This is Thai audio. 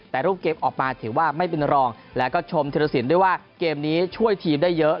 แต่รูปเกมออกมาถือว่าไม่เป็นรองแล้วก็ชมธิรสินด้วยว่าเกมนี้ช่วยทีมได้เยอะ